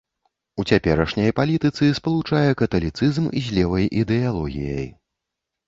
У цяперашняй палітыцы спалучае каталіцызм з левай ідэалогіяй.